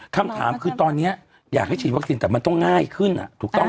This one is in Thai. คำถามคือตอนนี้อยากให้ฉีดวัคซีนแต่มันต้องง่ายขึ้นถูกต้อง